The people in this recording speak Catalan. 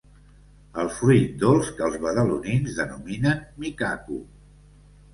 El fruit dolç que els badalonins denominen micaco.